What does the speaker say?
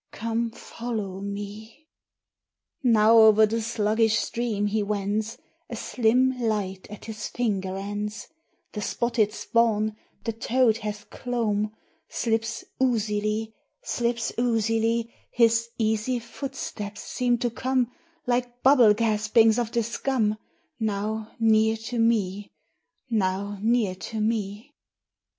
come follow me!" III. Now o'er the sluggish stream he wends, A slim light at his finger ends; The spotted spawn, the toad hath clomb, Slips oozily, slips oozily; His easy footsteps seem to come Like bubble gaspings of the scum Now near to me, now near to me.